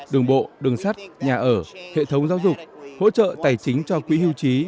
đường bộ đường sắt nhà ở hệ thống giáo dục hỗ trợ tài chính cho quỹ hưu trí